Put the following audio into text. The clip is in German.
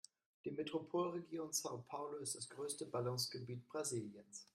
Die Metropolregion São Paulo ist das größte Ballungsgebiet Brasiliens.